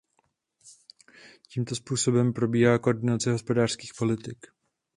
Tímto způsobem probíhá koordinace hospodářských politik.